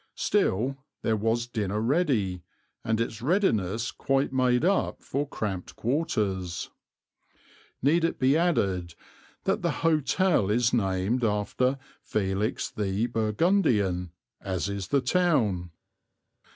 Still, there was dinner ready, and its readiness quite made up for cramped quarters. Need it be added that the hotel is named after Felix the Burgundian, as is the town?